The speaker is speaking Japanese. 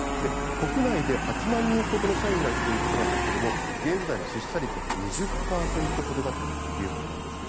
国内で８万人ほどの社員がいるということなんですけれども、現在の出社率は２０％ほどだということなんです。